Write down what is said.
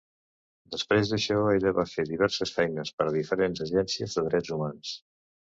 Després d'això, ella va ser diverses feines per a diferents agències de drets humans.